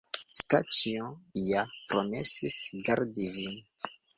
Staĉjo ja promesis gardi vin.